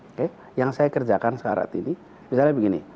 oke yang saya kerjakan sekarang ini misalnya begini